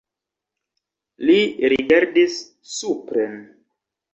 Li rigardis supren.